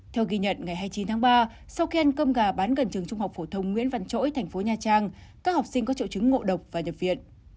theo ghi nhận ngày hai mươi chín tháng ba sau khi ăn cơm gà bán gần trường trung học phổ thông nguyễn văn trỗi thành phố nha trang các học sinh có triệu chứng ngộ độc và nhập viện